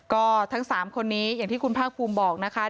ก็ทั้ง๓คนนี้อย่างที่คุณภาคภูมิบอกนะคะ